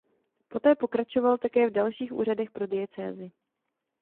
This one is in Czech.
Poté pokračoval také v dalších úřadech pro diecézi.